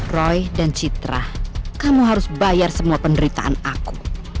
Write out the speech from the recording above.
roy dan citra kamu harus bayar semua penderitaan aku